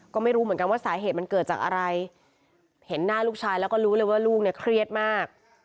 ก็ไม่รู้เหมือนกันว่าสาเหตุมันเกิดจากอะไรเห็นหน้าลูกชายแล้วก็รู้เลยว่าลูกเนี่ยเครียดมาก